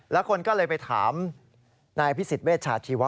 แล้วคนก็เลยไปถามนายพิสิทธิเวชาชีวะ